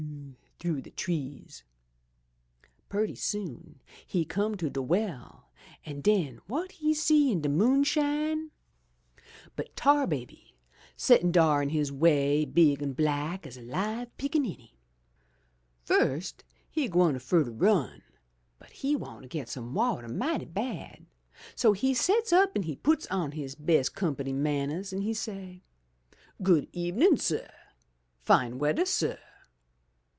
through de trees. Purty soon he come to de well an' den, wot he see in de moonshine, but Tar 238 THROUGH FAIRY HALLS Baby settin' dar in his way, big an' black as a live pickaninny! "Fust he gwine fur ter run, but he want to get some wateh mighty bad, so he sets up an' he puts on his best company man nehs an' he say, *Good ebenin', suh! Fine weatheh, suh!'